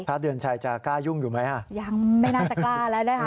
เดือนชัยจะกล้ายุ่งอยู่ไหมอ่ะยังไม่น่าจะกล้าแล้วนะคะ